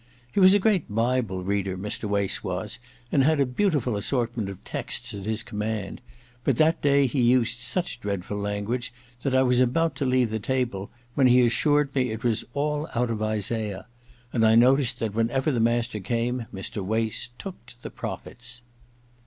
He was a great Bible reader, Mr. Wace was, and had a beautiful assortment of texts at his command ; but that day he used such dreadful language that I was about to leave the table, when he assured me it was all out of Isaiah ; and I noticed that whenever the master came Mr. Wace took to the prophets.